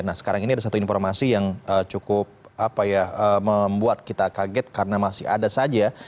nah sekarang ini ada satu informasi yang cukup membuat kita kaget karena masih ada saja